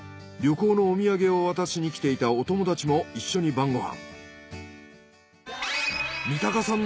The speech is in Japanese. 旅行のお土産を渡しに来ていたお友達も一緒に晩ご飯。